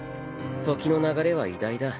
時の流れは偉大だ。